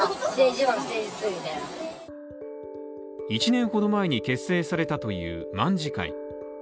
１年ほど前に結成されたという卍会。